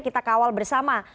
kita kawal bersama